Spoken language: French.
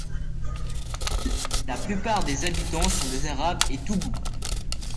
La plupart des habitants sont des Arabes et Toubou.